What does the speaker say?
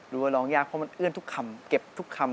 ร้องยากเพราะมันเอื้อนทุกคำเก็บทุกคำ